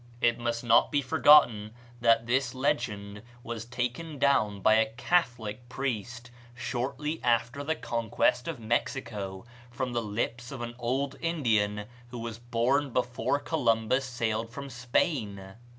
It must not be forgotten that this legend was taken down by a Catholic priest, shortly after the conquest of Mexico, from the lips of an old Indian who was born before Columbus sailed from Spain.